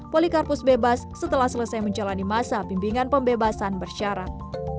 polikarpus bebas setelah selesai menjalani masa bimbingan pembebasan bersyarat